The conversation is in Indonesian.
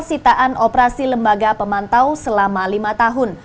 sitaan operasi lembaga pemantau selama lima tahun